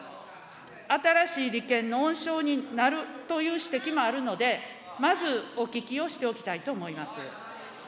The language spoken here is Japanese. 新しい利権の温床になるという指摘もあるので、まずお聞きをしておきたいと思います。